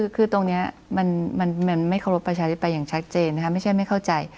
คือตรงนี้มันไม่เคารพประชาธิปไตยอย่างชัดเจนนะคะไม่ใช่ไม่เข้าใจ